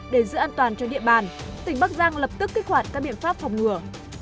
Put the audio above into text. để giữ an toàn cho địa bàn tỉnh bắc giang lập tức kích hoạt các biện pháp phòng ngừa